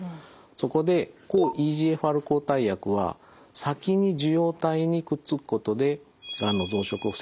そこで抗ＥＧＦＲ抗体薬は先に受容体にくっつくことでがんの増殖を防ぐ働きがあります。